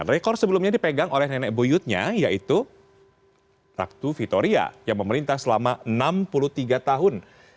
dan rekor sebelumnya dipegang oleh nenek buyutnya yaitu ratu vitoria yang memerintah selama enam puluh tiga tahun